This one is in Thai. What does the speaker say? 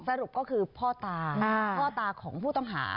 สรุปก็คือพ่อตาพ่อตาของผู้ต้องหา